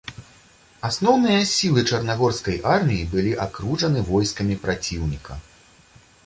Асноўныя сілы чарнагорскай арміі былі акружаны войскамі праціўніка.